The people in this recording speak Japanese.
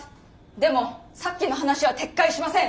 でもさっきの話は撤回しません。